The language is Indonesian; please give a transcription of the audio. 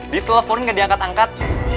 di telepon gak diangkat angkat